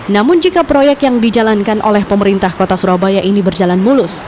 namun jika proyek yang dijalankan oleh pemerintah kota surabaya ini berjalan mulus